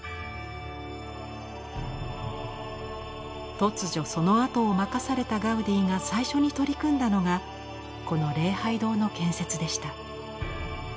突如そのあとを任されたガウディが最初に取り組んだのがこの礼拝堂の建設でした。